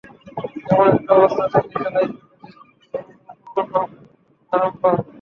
এমন একটি অবস্থা থেকে খেলায় ফিরল দেশের ফুটবলের অন্যতম পুরোনো নাম আরামবাগ।